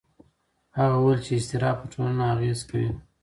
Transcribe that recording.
هغه وویل چې اضطراب په ټولنه اغېز کوي.